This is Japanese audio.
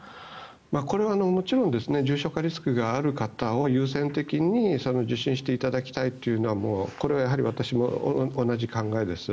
これはもちろん重症化リスクがある方に優先的に受診していただきたいというのはもうこれは私も同じ考えです。